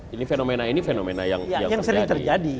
ini fenomena ini fenomena yang terjadi